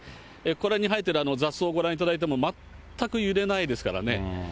ここらへんに生えてる雑草をご覧いただいても、全く揺れないですからね。